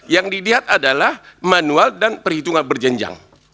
yang dilihat adalah manual dan perhitungan berjenjang